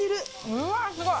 うわすごい。